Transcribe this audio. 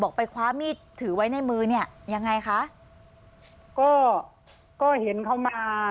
ไปคว้ามีดถือไว้ในมือเนี่ยยังไงคะก็ก็เห็นเขามา